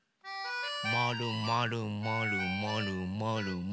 まるまるまるまるまるまる。